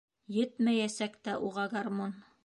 Етмәйәсәк тә уға гармун.